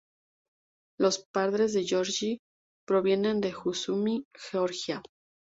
Los padres de Georgi provienen de Sujumi, Georgia.